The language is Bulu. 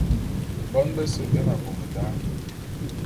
Bon bese be ne abum da.